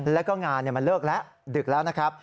แล้วก็งานมันเลิกแล้วดึกแล้วนะครับ